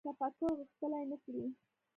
تفکر غښتلی نه کړي